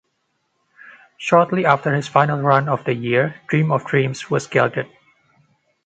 Shortly after his final run of the year Dream of Dreams was gelded.